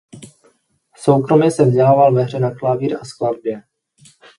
Soukromě se vzdělával ve hře na klavír a skladbě.